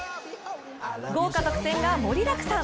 豪華特典が盛りだくさん。